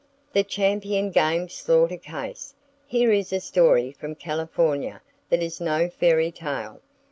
The Champion Game Slaughter Case. —Here is a story from California that is no fairy tale.